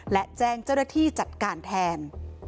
และแจ้งเจ้าหน้าที่จัดการแทน